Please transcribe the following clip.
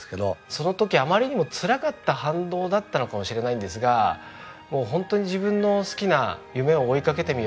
その時あまりにもつらかった反動だったのかもしれないんですがもうホントに自分の好きな夢を追いかけてみようと。